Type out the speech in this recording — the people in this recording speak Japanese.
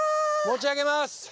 持ち上げます！